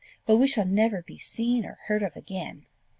but we shall never be seen or heard of again.